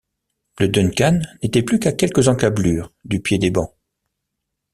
Le Duncan n’était plus qu’à quelques encablures du pied des bancs.